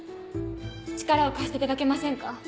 力を貸していただけませんか？